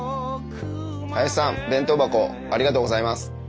林さん弁当箱ありがとうございます。